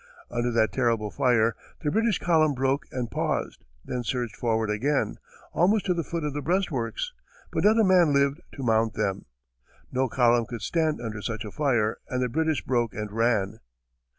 Under that terrible fire, the British column broke and paused, then surged forward again, almost to the foot of the breastworks. But not a man lived to mount them. No column could stand under such a fire, and the British broke and ran.